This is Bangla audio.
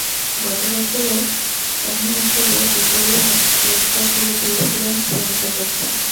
গত বছরও এমি আসরে বিজয়ীর হাতে পুরস্কার তুলে দিয়েছিলেন প্রিয়াঙ্কা চোপড়া।